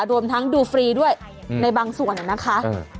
รวมทั้งดูฟรีด้วยในบางส่วนนะคะ